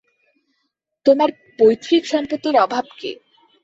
তোমার পৈতৃক সম্পত্তির অভাব কী।